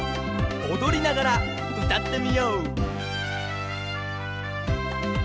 おどりながらうたってみよう！